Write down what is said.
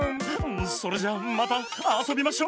それじゃまたあそびましょ。